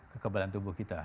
kekebalan tubuh kita